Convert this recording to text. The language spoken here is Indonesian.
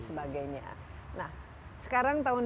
sebagainya nah sekarang tahun